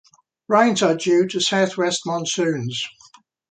Rains are due to southwest monsoons.